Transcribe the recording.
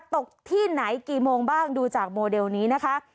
ตกที่ไหนกี่โมงบ้างดูจากโมเดลนี้นะคะ